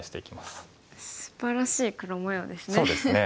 すばらしい黒模様ですね。